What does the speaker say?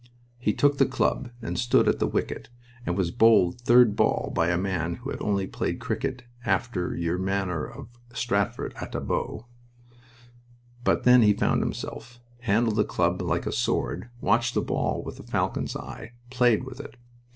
He took the club and stood at the wicket and was bowled third ball by a man who had only played cricket after ye manner of Stratford atte Bow. But then he found himself, handled the club like a sword, watched the ball with a falcon's eye, played with it.